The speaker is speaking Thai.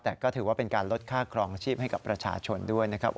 แต่ก็ถือว่าเป็นการลดค่าครองชีพให้กับประชาชนด้วยนะครับ